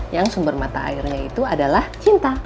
yang sumber mata airnya itu adalah cinta